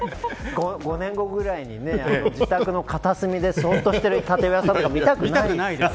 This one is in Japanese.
５年後ぐらいに自宅の片隅でそっとしている立岩さん、見たくないです。